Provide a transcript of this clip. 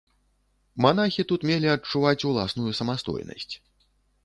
Манахі тут мелі адчуваць уласную самастойнасць.